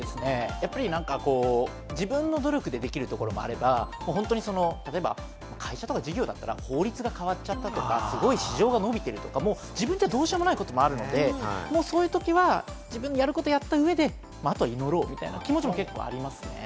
やっぱり自分の努力でできるところもあれば、本当に会社とか事業だったら、法律が変わっちゃったとか、市場が伸びてるとか、自分じゃどうしようもないこともあるので、そういう時は自分のやることをやった上で、あとは祈ろうみたいな気持ちも結構ありますね。